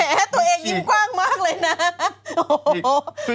ตัวเองยิ้มกว้างมากเลยนะ